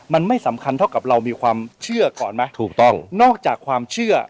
มันไม่สำคัญเท่ากับเรามีความเชื่อก่อนไหมถูกต้องนอกจากความเชื่อ